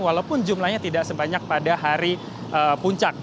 walaupun jumlahnya tidak sebanyak pada hari puncak